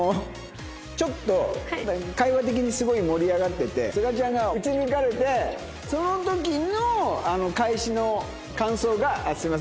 ちょっと会話的にすごい盛り上がっててすがちゃんが打ち抜かれてその時の返しの感想がすみません。